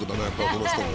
この人も。